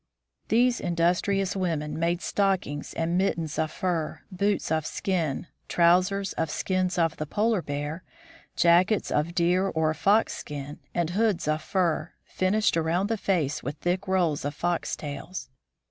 These industrious women made stockings and mittens of fur, boots of skins, trousers of skins of the polar bear, jackets of deer or fox skin, and hoods of fur, finished around the face with thick rolls of foxtails.